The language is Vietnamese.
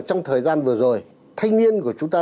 trong thời gian vừa rồi thanh niên của chúng ta